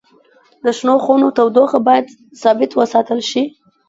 د شنو خونو تودوخه باید ثابت وساتل شي.